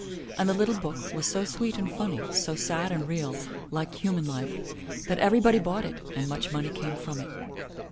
And the little book was so sweet and funny, so sad and real, like human life, that every body bought it and much money came from it.